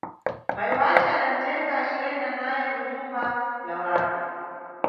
Mayi wace adanʼtenga aciyenda naye kunyumba ya ulapi.